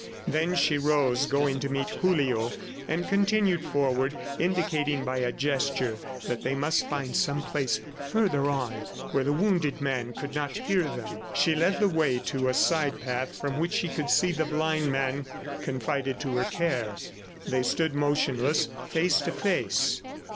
Then she rose, going to meet Julio, and continued forward, indicating by a gesture that they must find some place further on where the wounded man could not hear them. She led the way to a side path from which she could see the blind man confided to her care. They stood motionless, face to face.